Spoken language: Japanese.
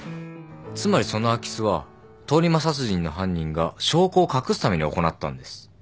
つまりその空き巣は通り魔殺人の犯人が証拠を隠すために行ったんです。